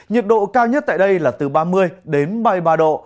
nhiệt độ cao nhất tại đây là từ ba mươi đến ba mươi ba độ